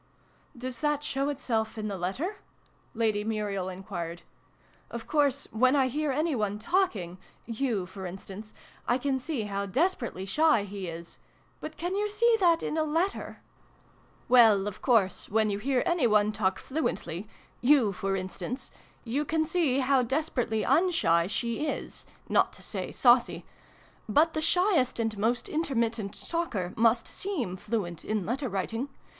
" Does that show itself in the letter ?" Lady Muriel enquired. " Of course, when I hear any one talking yoii, for instance I can see how desperately shy he is ! But can you see that in a letter ?" I 2 ii6 SYLVIE AND BRUNO CONCLUDED. " Well, of course, when you hear any one talk fluently you, for instance you can see how desperately zm shy she is not to say saucy ! But the shyest and most intermittent talker must seem fluent in letter writing.